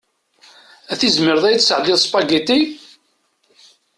Ad tizmireḍ ad iyi-d-tesɛeddiḍ spaghetti?